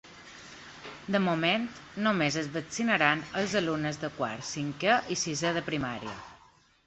De moment, només es vaccinaran els alumnes de quart, cinquè i sisè de primària.